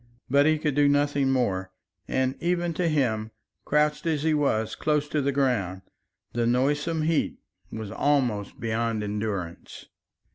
But he could do nothing more, and even to him, crouched as he was close to the ground, the noisome heat was almost beyond endurance.